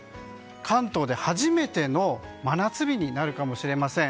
関東で初めての真夏日になるかもしれません。